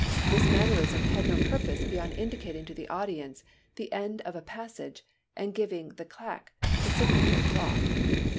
This mannerism had no purpose beyond indicating to the audience the end of a passage and giving the claque the signal to applaud.